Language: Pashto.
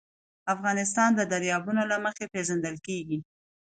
افغانستان د دریابونه له مخې پېژندل کېږي.